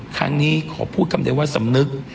ครั้งนี้ขอพูดคำเดียวว่าสำนึก